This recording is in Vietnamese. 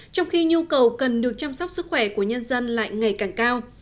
trong khi nhu cầu cần được chăm sóc sức khỏe của nhân dân lại ngày càng cao